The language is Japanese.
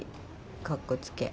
カッコつけ。